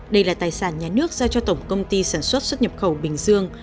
đây là tài sản nhà nước giao cho tổng công ty sản xuất xuất nhập khẩu bình dương